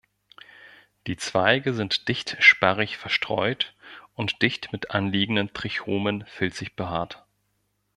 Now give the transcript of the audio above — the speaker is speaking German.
Die Zweige sind dicht sparrig verstreut und dicht mit anliegenden Trichomen filzig behaart.